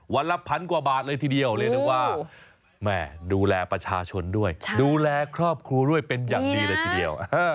วันละพันกว่าบาทเลยทีเดียวเรียกได้ว่าแม่ดูแลประชาชนด้วยดูแลครอบครัวด้วยเป็นอย่างดีเลยทีเดียว